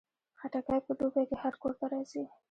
خټکی په دوبۍ کې هر کور ته راځي.